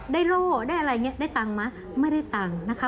โล่ได้อะไรอย่างนี้ได้ตังค์ไหมไม่ได้ตังค์นะคะ